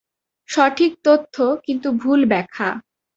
সঠিক তথ্য কিন্তু ভুল ব্যাখ্যা।